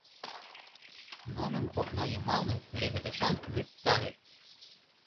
Нунын окна йымалне леведышан вӱд таве.